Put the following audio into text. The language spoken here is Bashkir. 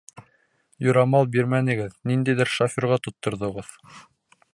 Юрамал бирмәнегеҙ, ниндәйҙер шоферға тотторҙоғоҙ!